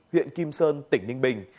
huyện kim sơn tỉnh ninh bình